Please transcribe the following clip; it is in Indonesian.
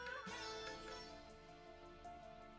aku mau ke rumah